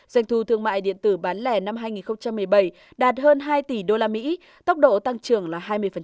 doanh thu thương mại điện tử bán lẻ năm hai nghìn một mươi bảy đạt hơn hai tỷ đô la mỹ tốc độ tăng trưởng là hai mươi